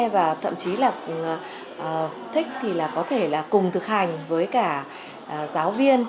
và thậm chí là thích thì là có thể là cùng thực hành với cả giáo viên